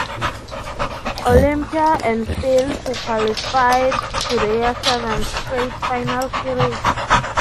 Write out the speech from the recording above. Olimpia and failed to qualify to their seventh straight final series.